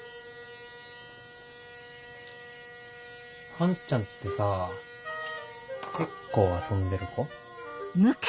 アンちゃんってさぁ結構遊んでる子？